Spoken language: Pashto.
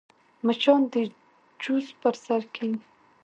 مچان د جوس پر سر کښېني